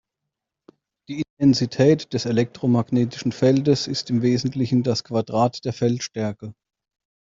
Die Intensität des elektromagnetischen Feldes ist im Wesentlichen das Quadrat der Feldstärke.